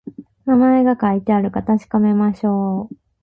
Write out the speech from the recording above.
名前が書いてあるか確かめましょう